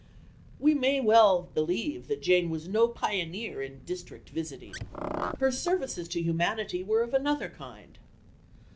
We may well believe that Jane was no pioneer in "district visiting." Her services to humanity were of another kind.